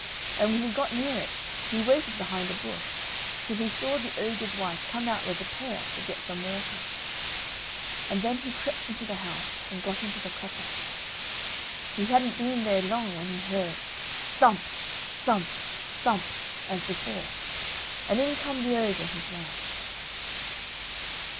And when he got near it he waited behind a bush till he saw the ogre's wife come out with a pail to get some water, and then he crept into the house and got into the copper. He hadn't been there long when he heard thump! thump! thump! as before, and in come the ogre and his wife.